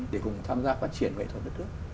để cùng tham gia phát triển nghệ thuật đất nước